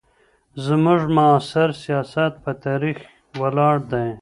زموږ معاصر سیاست په تاریخ ولاړ دی.